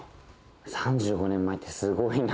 ３５年前ってすごいな。